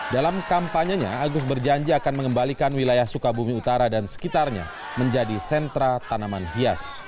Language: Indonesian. dalam kampanyenya agus berjanji akan mengembalikan wilayah sukabumi utara dan sekitarnya menjadi sentra tanaman hias